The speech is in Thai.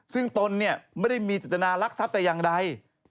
ซึ่งตนเนี่ยไม่ได้มีจัตนารักทรัพย์แต่อย่างใด